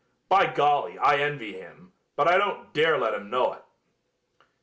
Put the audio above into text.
By golly, I envy him, but I don't dare let him know it."